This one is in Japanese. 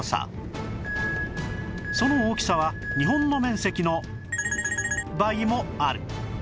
その大きさは日本の面積の倍もある